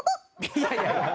いやいや。